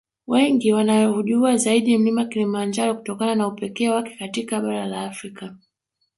Wengi wanaUjua zaidi Mlima Kilimanjaro kutokana na upekee wake katika bara la Afrika